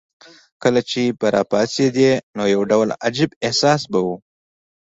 کله چې به راپاڅېدې نو یو ډول عجیب احساس به وو.